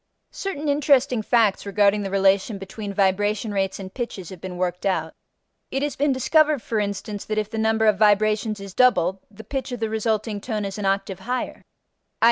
Certain interesting facts regarding the relation between vibration rates and pitches have been worked out: it has been discovered for instance that if the number of vibrations is doubled, the pitch of the resulting tone is an octave higher; _i.